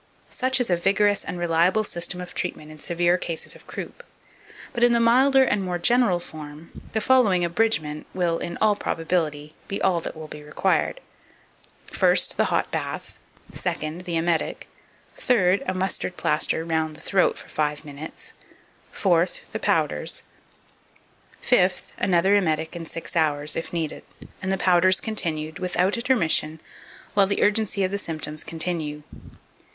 Such is a vigorous and reliable system of treatment in severe cases of croup; but, in the milder and more general form, the following abridgment will, in all probability, be all that will be required: First, the hot bath; second, the emetic; third, a mustard plaster round the throat for five minutes; fourth, the powders; fifth, another emetic in six hours, if needed, and the powders continued without intermission while the urgency of the symptoms continues.